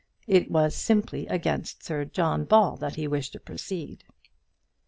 It was simply against Sir John Ball that he wished to proceed.